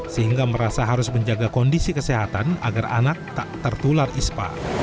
sehingga merasa harus menjaga kondisi kesehatan agar anak tak tertular ispa